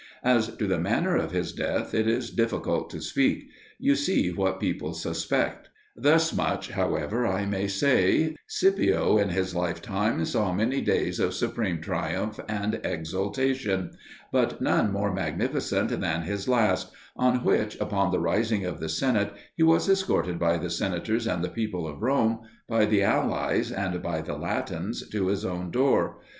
As to the manner of his death it is difficult to speak; you see what people suspect. Thus much, however, I may say: Scipio in his lifetime saw many days of supreme triumph and exultation, but none more magnificent than his last, on which, upon the rising of the Senate, he was escorted by the senators and the people of Rome, by the allies, and by the Latins, to his own door.